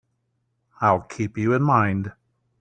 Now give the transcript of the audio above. I'll keep you in mind.